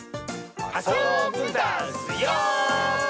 あそぶダスよ！